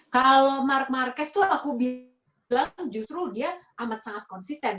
kalau mark marquez tuh aku bilang justru dia amat sangat konsisten